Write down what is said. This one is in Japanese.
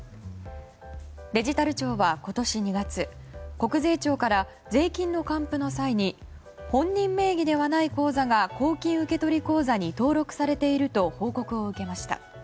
デジタル庁は今年２月国税庁から税金の還付の際に本人名義ではない口座が公金受取口座に登録されていると報告を受けました。